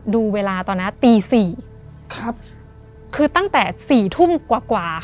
ดูเวลาตอนนั้นตี๔คือตั้งแต่๔ทุ่มกว่าค่ะ